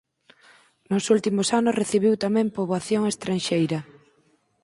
Nos últimos anos recibiu tamén poboación estranxeira.